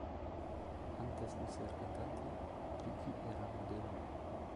Antes de ser cantante, Ricky era modelo.